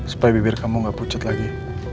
supaya bibir kamu tidak pucat lagi